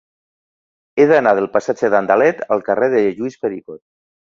He d'anar del passatge d'Andalet al carrer de Lluís Pericot.